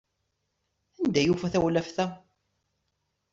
Anda ay yufa tawlaft-a?